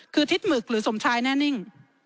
คือทิศหมึกหรือสมชายแน่นิ่ง